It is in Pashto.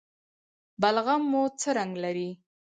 بلغم مو څه رنګ لري؟